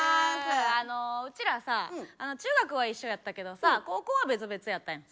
うちらさ中学は一緒やったけどさ高校は別々やったやん。